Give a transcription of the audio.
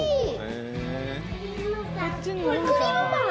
クリームパン